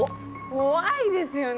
怖いですよね。